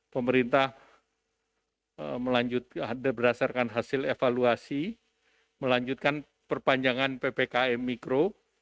pemerintah berdasarkan hasil evaluasi melanjutkan perpanjangan ppkm mikro